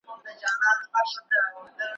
تاسو بايد د ناپېژانده خلکو سره خپلوي ونه کړئ.